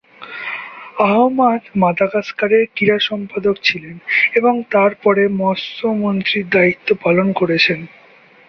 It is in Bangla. আহমাদ মাদাগাস্কারের ক্রীড়া সম্পাদক ছিলেন এবং তারপরে মৎস্য মন্ত্রীর দায়িত্ব পালন করেছেন।